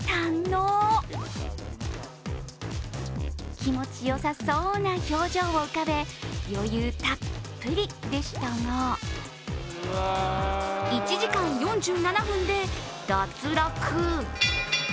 気持ちよさそな表情を浮かべ、余裕たっぷりでしたが、１時間４７分で脱落。